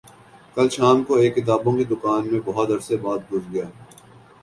کل شام کو ایک کتابوں کی دکان میں بہت عرصے بعد گھس گیا